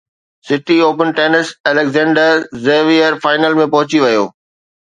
city open tennis Alexander Zverev final ۾ پهچي ويو